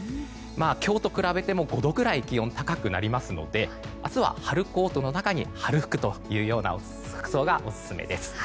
今日と比べても５度ぐらい気温が高くなりますので明日は、春コートの中に春服のような服装がオススメです。